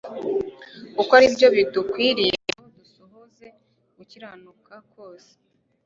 kuko ari byo bidukwiriye ngo dusohoze gukiranuka kose."